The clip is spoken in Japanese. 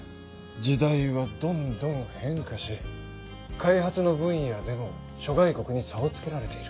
時代はどんどん変化し開発の分野でも諸外国に差をつけられている。